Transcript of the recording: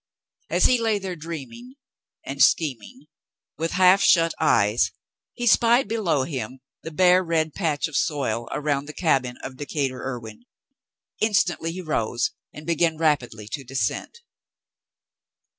As he lay there dreaming and scheming, with half shut eyes, he spied below him the bare red patch of soil around the cabin of Decatur Irwin. Instantly he rose and be gan rapidly to descend.